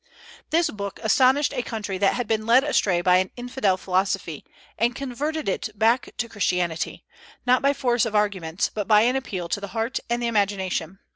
This book astonished a country that had been led astray by an infidel philosophy, and converted it back to Christianity, not by force of arguments, but by an appeal to the heart and the imagination.